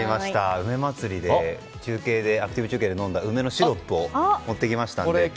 梅まつりで飲んだアクティブ中継で飲んだ梅のシロップを持ってきました。